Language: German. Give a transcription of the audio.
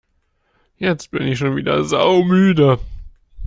Jetzt bin ich schon wieder saumüde!